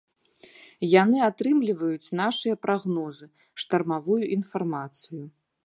Яны атрымліваюць нашыя прагнозы, штармавую інфармацыю.